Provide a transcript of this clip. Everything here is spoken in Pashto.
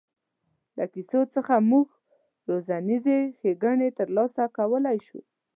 له کیسو څخه موږ روزنیزې ښېګڼې تر لاسه کولای شو.